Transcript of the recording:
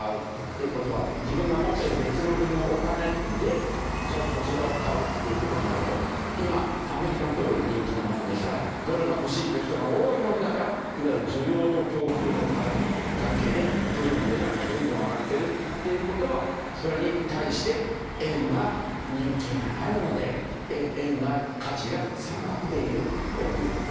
ということは自分が持っている別の国のお金でそちらを買うということになると今、アメリカのドルが人気なものですからドルが欲しいという人が多いものだからいわゆる需要と供給の関係でドルの値段がどんどん上がっているということはそれに対して円が人気がないので円の価値が下がっているという。